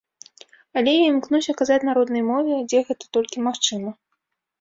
Але я імкнуся казаць на роднай мове, дзе гэта толькі магчыма.